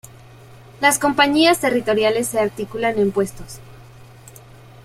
Las compañías territoriales se articulan en puestos.